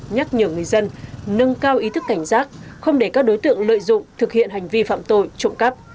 nhắc nhở người dân nâng cao ý thức cảnh giác không để các đối tượng lợi dụng thực hiện hành vi phạm tội trộm cắp